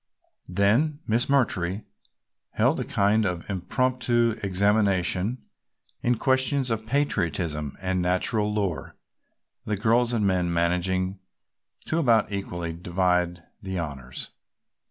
Then Miss McMurtry held a kind of impromptu examination in questions of patriotism and nature lore, the girls and men managing to about equally divide the honors.